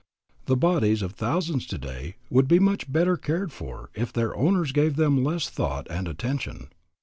The bodies of thousands today would be much better cared for if their owners gave them less thought and attention.